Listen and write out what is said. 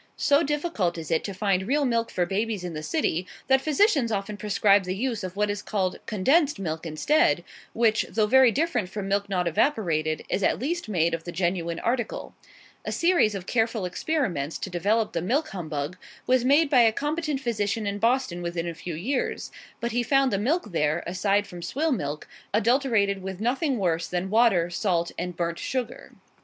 So difficult is it to find real milk for babies in the city, that physicians often prescribe the use of what is called "condensed" milk instead; which, though very different from milk not evaporated, is at least made of the genuine article. A series of careful experiments to develop the milk humbug was made by a competent physician in Boston within a few years, but he found the milk there (aside from swill milk) adulterated with nothing worse than water, salt, and burnt sugar.